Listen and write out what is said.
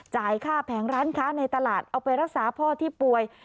จ่ายค่าแผงร้านค้าในตลาดเอาไปรักษาพ่อที่ป่วย